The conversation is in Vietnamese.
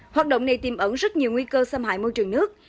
hoạt động này tìm ẩn rất nhiều nguy cơ xâm hại môi trường nước